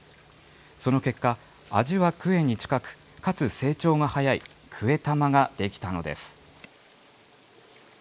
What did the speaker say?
その結果、味はクエに近く、かつ成長が早い、クエタマが出来たのです。